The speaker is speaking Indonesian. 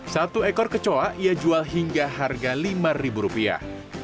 satu ekor kecoa ia jual hingga harga lima ribu rupiah